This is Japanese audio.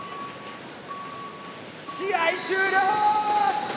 試合終了！